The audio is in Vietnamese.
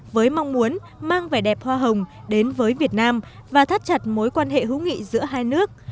với mong muốn mang vẻ đẹp hoa hồng đến với việt nam và thắt chặt mối quan hệ hữu nghị giữa hai nước